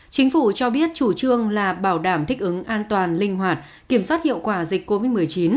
chính phủ cho biết chủ trương là bảo đảm thích ứng an toàn linh hoạt kiểm soát hiệu quả dịch covid một mươi chín